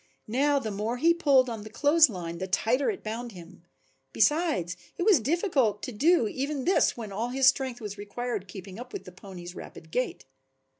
Now the more he pulled on the clothes line the tighter it bound him. Besides it was difficult to do even this when all his strength was required keeping up with the pony's rapid gait.